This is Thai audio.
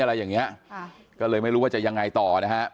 อะไรอย่างเงี้ยค่ะก็เลยไม่รู้ว่าจะยังไงต่อนะฮะ